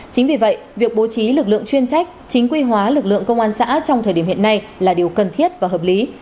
chính vì vậy việc bố trí lực lượng chuyên trách chính quy hóa lực lượng công an xã trong thời điểm hiện nay là điều cần thiết và hợp lý